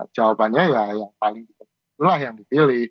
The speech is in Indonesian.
jawabannya ya yang paling itulah yang dipilih